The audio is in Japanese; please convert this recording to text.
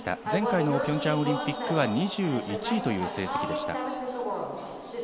前回、ピョンチャンオリンピックは２１位という成績でした。